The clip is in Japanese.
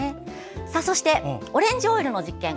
そして、オレンジオイルの実験。